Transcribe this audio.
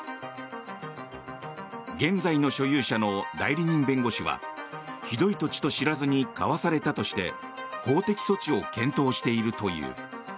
現在の所有者の代理人弁護士はひどい土地と知らずに買わされたとして法的措置を検討しているという。